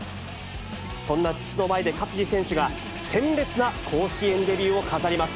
そんな父の前で勝児選手が鮮烈な甲子園デビューを飾ります。